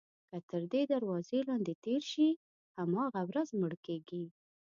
که تر دې دروازې لاندې تېر شي هماغه ورځ مړ کېږي.